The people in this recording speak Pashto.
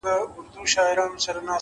قوي اراده ستړې لارې اسانه کوي’